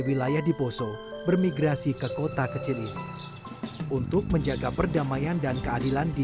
wilayah di poso bermigrasi ke kota kecil ini untuk menjaga perdamaian dan keadilan di